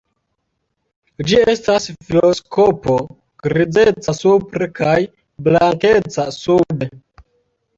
Ĝi estas filoskopo grizeca supre kaj blankeca sube.